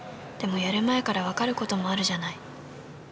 でもやる前から分かることもあるじゃない。